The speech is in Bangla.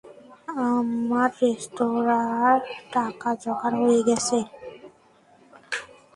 আমার রেস্তোরাঁের টাকা জোগাড় হয়ে গেছে!